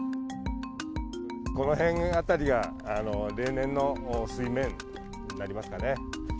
この辺辺りが例年の水面になりますかね。